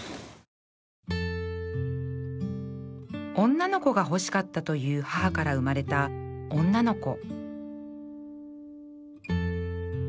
女の子が欲しかったという母から生まれた女の子